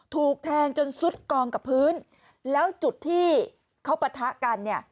ถูกแทงจนซุดกองกับพื้นแล้วจุดที่เขาปะทะกันเนี่ย